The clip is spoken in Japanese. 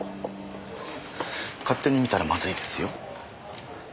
勝手に見たらまずいですよ。